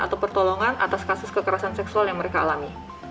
atau pertolongan atas kasus kekerasan seksual yang mereka alami